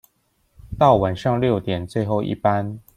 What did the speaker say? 到晚上六點最後一班